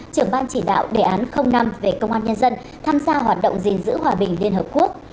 trưởng ban chỉ đạo đề án năm về công an nhân dân tham gia hoạt động gìn giữ hòa bình liên hợp quốc